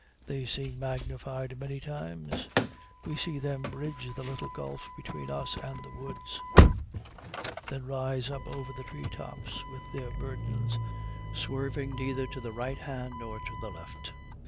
They seem magnified many times. We see them bridge the little gulf between us and the woods, then rise up over the treetops with their burdens, swerving neither to the right hand nor to the left.